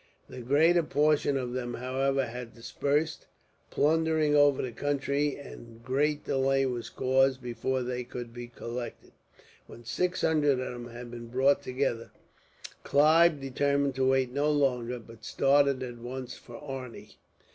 The greater portion of them, however, had dispersed, plundering over the country, and great delay was caused before they could be collected. When six hundred of them had been brought together, Clive determined to wait no longer, but started at once for Arni.